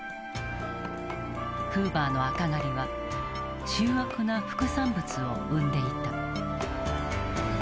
フーバーの赤狩りは醜悪な副産物を生んでいた。